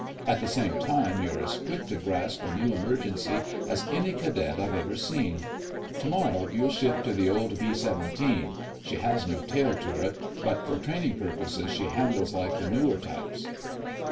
At the same time you're as quick to grasp a new emergency as any cadet I've ever seen. Tomorrow you'll shift to the old B 17. She has no tail turret, but for training purposes she handles like the newer types."